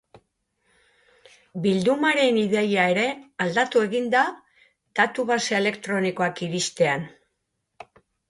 Bildumaren ideia ere aldatu egin da datu-base elektronikoak iristean.